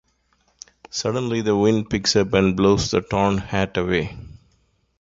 Suddenly, the wind picks up and blows the torn hat away.